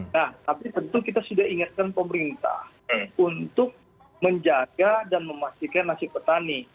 nah tapi tentu kita sudah ingatkan pemerintah untuk menjaga dan memastikan nasib petani